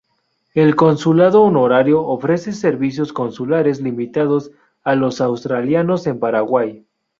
El consulado honorario ofrece servicios consulares limitados a los australianos en Paraguay.